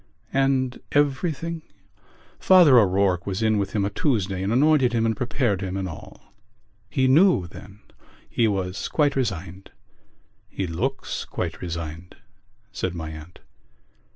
"And everything...?" "Father O'Rourke was in with him a Tuesday and anointed him and prepared him and all." "He knew then?" "He was quite resigned." "He looks quite resigned," said my aunt.